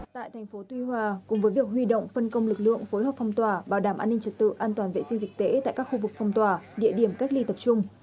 tại thành phố tuy hòa cùng với việc huy động phân công lực lượng phối hợp phong tỏa bảo đảm an ninh trật tự an toàn vệ sinh dịch tễ tại các khu vực phong tỏa địa điểm cách ly tập trung